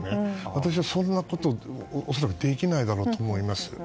私はそんなことは恐らくできないだろうと思います。